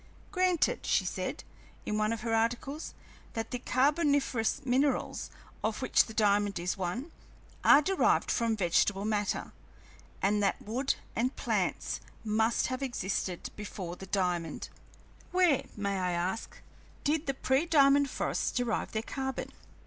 "Granted," she said, in one of her articles, "that the carboniferous minerals, of which the diamond is one, are derived from vegetable matter, and that wood and plants must have existed before the diamond, where, may I ask, did the prediamond forests derive their carbon?